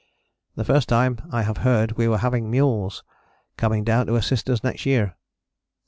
The first time I have heard we were having mules coming down to assist us next year.